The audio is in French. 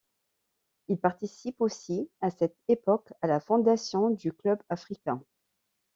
Il participe aussi à cette époque à la fondation du Club africain.